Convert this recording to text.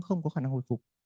không có khả năng hồi phục